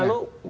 pada waktu lalu